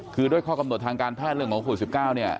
คือด้วยข้อกำหนดทางการแพทย์เรื่องของโควิด๑๙เนี่ย